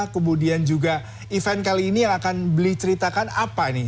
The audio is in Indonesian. kemudian juga event kali ini yang akan beli ceritakan apa ini